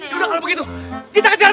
ya udah kalau begitu kita kejar